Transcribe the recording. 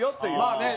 まあね